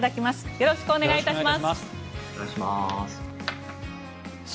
よろしくお願いします。